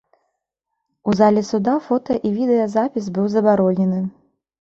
У залі суда фота і відэа запіс быў забаронены.